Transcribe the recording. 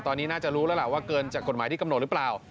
ตอนนี้น่าจะรู้แล้วล่ะว่าเกินจากกฎหมายที่กำหนดหรือเปล่า